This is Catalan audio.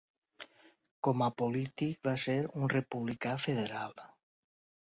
Com a polític va ser un republicà federal.